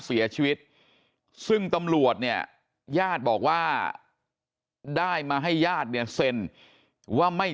เสียชีวิตซึ่งตำรวจเนี่ยญาติบอกว่าได้มาให้ญาติเนี่ยเซ็นว่าไม่